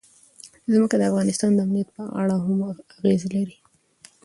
ځمکه د افغانستان د امنیت په اړه هم اغېز لري.